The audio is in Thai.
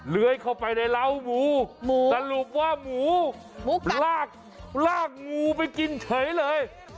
เลื้อยเข้าไปในร้าวหมูสรุปว่าหมูลากงูไปกินเฉยเลย